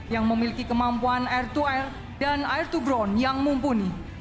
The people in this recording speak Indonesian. yang memiliki kemampuan air to air dan air to ground yang mumpuni